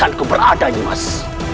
dimana keberadaanmu dimas